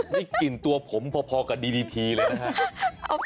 นี่กลิ่นตัวผมพอกันดีทีเลยนะครับ